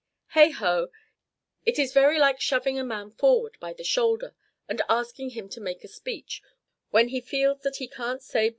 Heigho! it is very like shoving a man forward by the shoulder, and asking him to make a speech, when he feels that he can't say Bo!